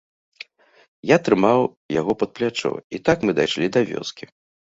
Я трымаў яго пад плячо, і так мы дайшлі да вёскі.